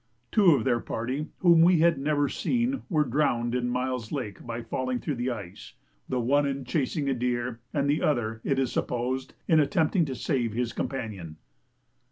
Two of their party whom we had never seen, were drowned in Miles Lake by falling through the ice; the one in chasing a deer, and the other, it is supposed, in attempting to save his companion.